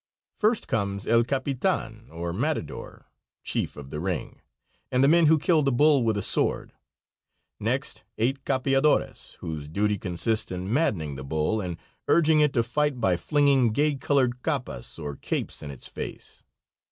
First comes "El Capitan" or matador, chief of the ring, and the men who kill the bull with a sword. Next eight capeadores, whose duty consists in maddening the bull and urging it to fight by flinging gay colored capas or capes in its face.